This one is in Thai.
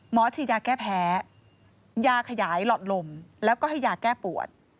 ฉีดยาแก้แพ้ยาขยายหลอดลมแล้วก็ให้ยาแก้ปวด